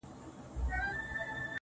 زما له ملا څخه په دې بد راځي.